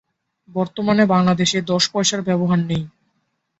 বর্তমানে বাংলাদেশে দশ পয়সার ব্যবহার নেই।